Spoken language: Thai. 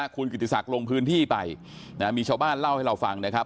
คุณกิติศักดิ์ลงพื้นที่ไปมีชาวบ้านเล่าให้เราฟังนะครับ